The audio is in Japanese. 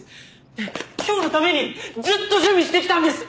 ねえ今日のためにずっと準備してきたんです。